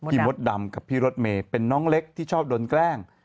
มดดำกับพี่รถเมย์เป็นน้องเล็กที่ชอบโดนแกล้ง